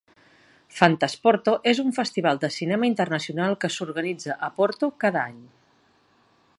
Fantasporto és un festival de cinema internacional que s'organitza a Porto cada any.